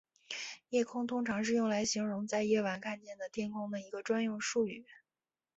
夜空通常是用来形容在夜晚看见的天空的一个专用术语。